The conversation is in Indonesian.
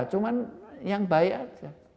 cuma yang baik saja